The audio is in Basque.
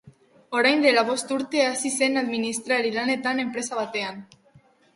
Orain dela bost urte hasi zen administrari lanetan enpresa batean.